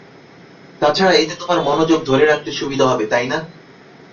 তাছাড়া, এতে তোমার মনোযোগ ধরে রাখতে সুবিধা হবে, তাই না?